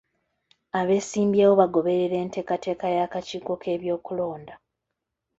Abeesimbyewo bagoberera enteekateeka y'akakiiko k'ebyokulonda.